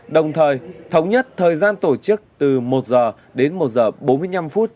đồng thời thống nhất thời gian tổ chức từ một h đến một h bốn mươi năm phút